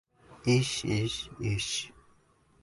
Ish, ish, ish…